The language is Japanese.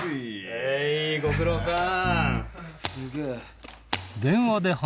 はいご苦労さん。